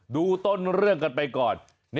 ดูต้นเรื่องกันไปก่อน